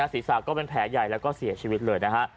ศีรษะก็เป็นแผลใหญ่แล้วก็เสียชีวิตเลยนะฮะ